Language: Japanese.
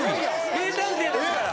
名探偵ですから。